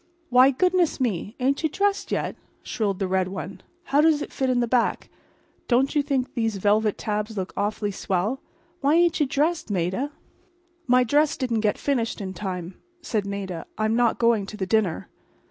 "Why, goodness me! ain't you dressed yet?" shrilled the red one. "How does it fit in the back? Don't you think these velvet tabs look awful swell? Why ain't you dressed, Maida?" "My dress didn't get finished in time," said Maida. "I'm not going to the dinner."